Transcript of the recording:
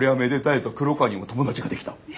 黒川にも友達ができた。